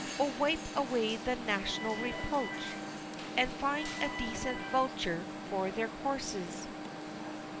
O wipe away the national reproach And find a decent Vulture for their corses!